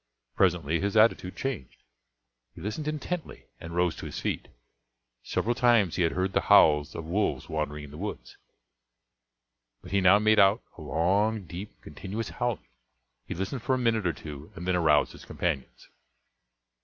Presently his attitude changed, he listened intently and rose to his feet. Several times he had heard the howls of wolves wandering in the woods, but he now made out a long, deep, continuous howling; he listened for a minute or two and then aroused his companions.